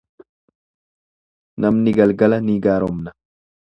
Namni galgala ni gaaromna.